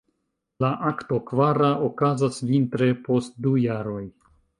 La akto kvara okazas vintre post du jaroj.